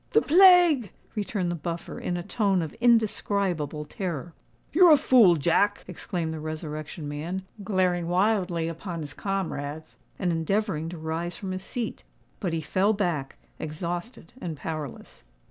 "The plague!" returned the Buffer, in a tone of indescribable terror. "You're a fool, Jack!" exclaimed the Resurrection Man, glaring wildly upon his comrades, and endeavouring to rise from his seat. But he fell back, exhausted and powerless.